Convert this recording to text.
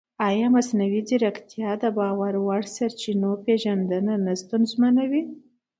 ایا مصنوعي ځیرکتیا د باور وړ سرچینو پېژندنه نه ستونزمنوي؟